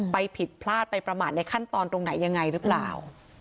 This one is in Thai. ผิดพลาดไปประมาทในขั้นตอนตรงไหนยังไงหรือเปล่า